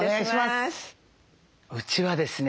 うちはですね